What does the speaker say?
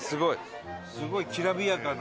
すごいきらびやかな。